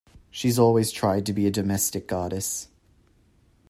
She's always tried to be a domestic goddess.